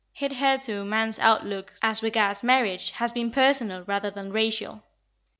Hitherto man's outlook as regards marriage has been personal rather than racial.